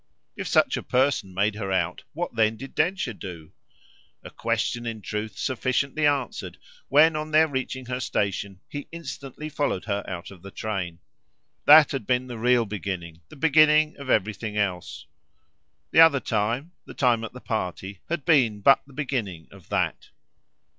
If such a person made her out what then did Densher do? a question in truth sufficiently answered when, on their reaching her station, he instantly followed her out of the train. That had been the real beginning the beginning of everything else; the other time, the time at the party, had been but the beginning of THAT.